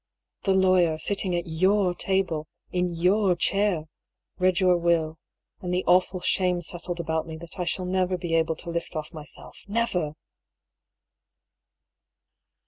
The lawyer, sitting at your table, in your chair, read your will, and the awful shame settled about me that I shall never be able to lift off myself, never